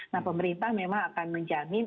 nah pemerintah memang akan menjamin